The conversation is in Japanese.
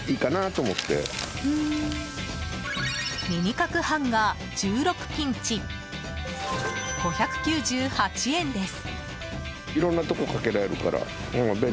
ミニ角ハンガー１６ピンチ５９８円です。